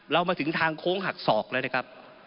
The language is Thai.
เรามาถึงทางโค้งหักศอกแล้วนะครับ